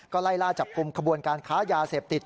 ก็ไล่ล่าจับกลุ่มขบวนการค้ายาเสพติด